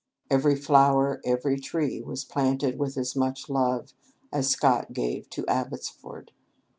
Every flower, every tree, was planted with as much love as Scott gave to "Abbotsford."